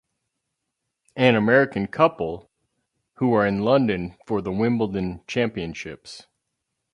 An American couple who are in London for the Wimbledon Championships.